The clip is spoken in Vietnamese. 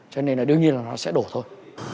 cho nên là đương nhiên là nó sẽ đổ thôi